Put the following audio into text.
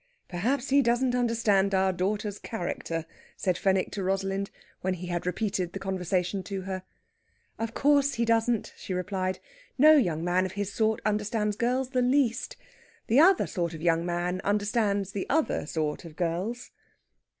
"Perhaps he doesn't understand our daughter's character," said Fenwick to Rosalind, when he had repeated the conversation to her. "Of course he doesn't," she replied. "No young man of his sort understands girls the least. The other sort of young man understands the other sort of girls."